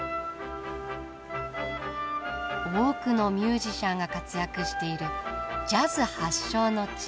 多くのミュージシャンが活躍しているジャズ発祥の地。